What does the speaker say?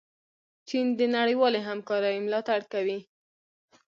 چین د نړیوالې همکارۍ ملاتړ کوي.